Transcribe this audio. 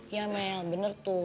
ya mel bener tuh